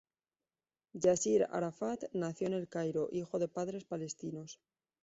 Yasir Arafat nació en El Cairo, hijo de padres palestinos.